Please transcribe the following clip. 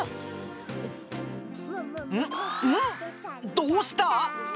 どうした？